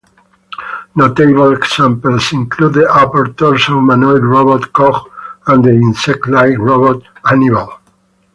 Notable examples include the upper torso humanoid robot Cog and the insect-like robot Hannibal.